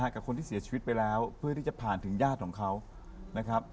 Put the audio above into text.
กับคนที่เสียชีวิตไปแล้วเพื่อที่จะผ่านถึงญาติของเขานะครับ